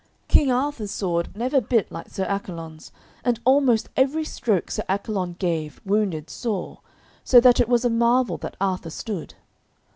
King Arthur's sword never bit like Sir Accolon's, and almost every stroke Sir Accolon gave wounded sore, so that it was a marvel that Arthur stood.